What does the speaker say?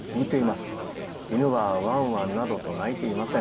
犬はワンワンなどと鳴いていません。